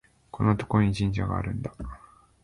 こんなところに神社があるんだ